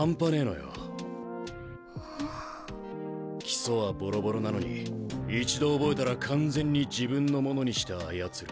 基礎はボロボロなのに一度覚えたら完全に自分のものにして操る。